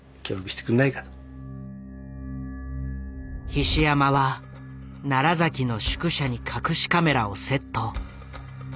菱山は崎の宿舎に隠しカメラをセット。